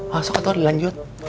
langsung atau dilanjut